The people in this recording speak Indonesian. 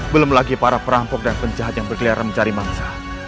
belum lagi para perampok dan penjahat yang berkeliaran mencari mangsa